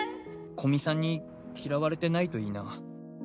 古見さんに嫌われてないといいな。